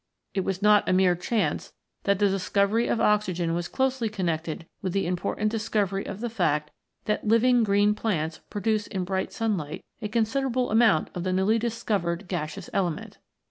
It was not a mere chance that the discovery of oxygen was closely connected with the important discovery of the fact that living green plants produce in bright sunlight a considerable amount of the newly discovered gaseous element.